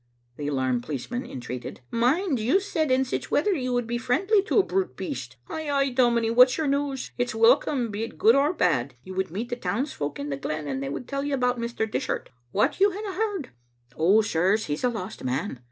the alarmed policeman entreated. " Mind, you said in sic weather you would be friendly to a brute beast. Ay, ay, domi nie, what's your news? It's welcome, be it good or bad. You would meet the townsfolk in the glen, and they would tell you about Mr. Dishart. What, you hinna heard? Oh, sirs, he's a lost man.